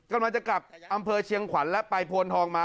กำลังจะกลับอำเภอเชียงขวัญและไปโพนทองมา